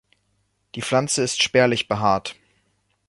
Die Pflanze ist spärlich behaart.